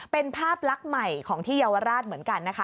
เป็นภาพลักษณ์ใหม่ของที่เยาวราชเหมือนกันนะคะ